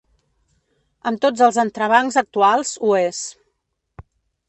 Amb tots els entrebancs actuals, ho és.